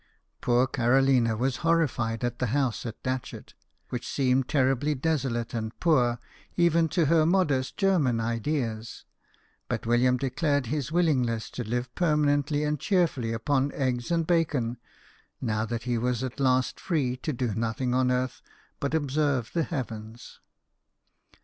Poor Carolina was horrified at the house at Datchet, which seemed terribly desolate and poor, even to her modest German ideas ; but William declared his willingness to live perma nently and cheerfully upon "eggs and bacon" now that he was at last free to do nothing on earth but observe the heavens.